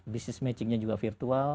business matchingnya juga virtual